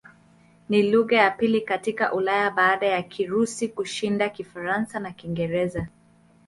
Ni lugha ya pili katika Ulaya baada ya Kirusi kushinda Kifaransa na Kiingereza.